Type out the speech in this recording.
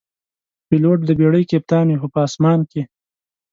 پیلوټ د بېړۍ کپتان وي، خو په آسمان کې.